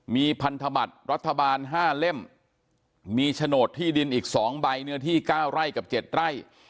มีพันธบัตรรัฐบาล๕เล่มมีโฉนดที่ดินอีก๒ใบเนื้อที่๙ไร่กับ๗ไร่